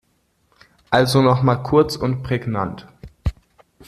Also noch mal kurz und prägnant.